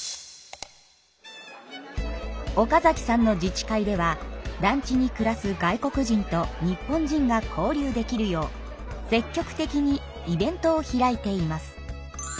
岡さんの自治会では団地に暮らす外国人と日本人が交流できるよう積極的にイベントを開いています。